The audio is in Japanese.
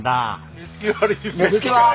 目つき悪い！